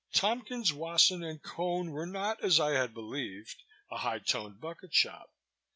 Tompkins, Wasson & Cone were not, as I had believed, a high toned bucket shop.